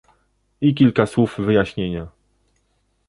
I kilka słów wyjaśnienia